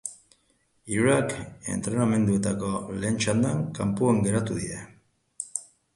Hirurak entrenamenduetako lehen txandan kanpoan geratu dira.